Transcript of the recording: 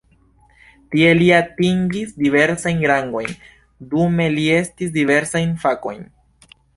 Tie li atingis diversajn rangojn, dume li estris diversajn fakojn.